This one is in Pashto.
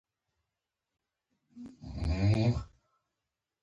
بامیان د افغانستان د بیلابیلو صنعتونو لپاره مواد پوره برابروي.